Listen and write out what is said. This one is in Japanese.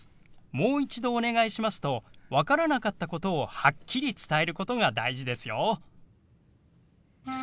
「もう一度お願いします」と分からなかったことをはっきり伝えることが大事ですよ。